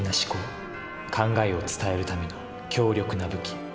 考えを伝えるための強力な武器。